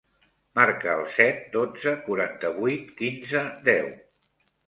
Marca el set, dotze, quaranta-vuit, quinze, deu.